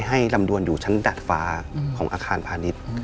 ลำดวนอยู่ชั้นดัดฟ้าของอาคารพาณิชย์